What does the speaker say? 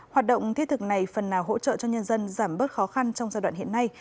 hoạt động thiết thực này phần nào hỗ trợ cho nhân dân giảm bớt khó khăn trong giai đoạn hiện nay